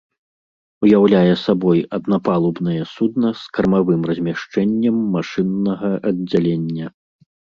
Уяўляе сабой аднапалубнае судна з кармавым размяшчэннем машыннага аддзялення.